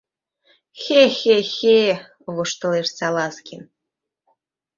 — Хе-хе-хе! — воштылеш Салазкин.